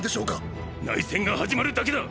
⁉内戦が始まるだけだ！！